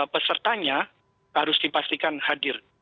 pesertanya harus dipastikan hadir